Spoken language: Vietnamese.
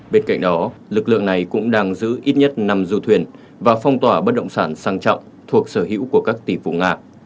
bên cạnh đó lực lượng này cũng đang giữ ít nhất năm du thuyền và phong tỏa bất động sản sang trọng thuộc sở hữu của các tỷ phụ nga